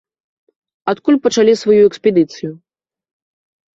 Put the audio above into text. Адкуль пачалі сваю экспедыцыю?